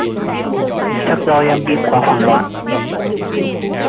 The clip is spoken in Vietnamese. chắc do em bị quá hoảng loạn